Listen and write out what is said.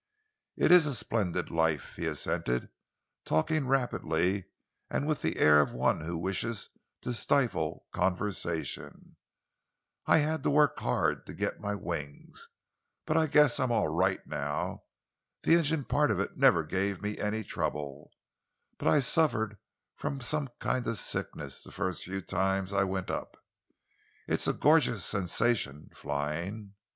"It's a splendid life," he assented, talking rapidly and with the air of one who wishes to stifle conversation. "I had hard work to get my wings, but I guess I'm all right now. The engine part of it never gave me any trouble, but I suffered from a kind of sickness the first few times I went up. It's a gorgeous sensation, flying.